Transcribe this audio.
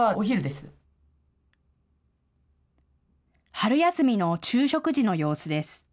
春休みの昼食時の様子です。